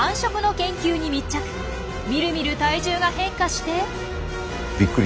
みるみる体重が変化して。